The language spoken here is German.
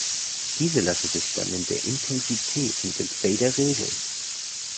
Diese lassen sich dann in der Intensität mit dem Fader regeln.